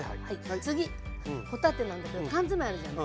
次帆立てなんだけど缶詰あるじゃない。